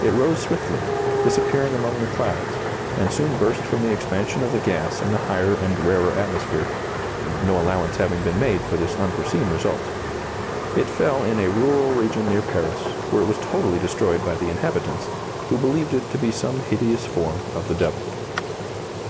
It rose swiftly, disappearing among the clouds, and soon burst from the expansion of the gas in the higher and rarer atmosphere no allowance having been made for this unforeseen result. It fell in a rural region near Paris, where it was totally destroyed by the inhabitants, who believed it to be some hideous form of the devil.